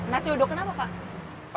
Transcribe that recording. nasi uduk kenapa pak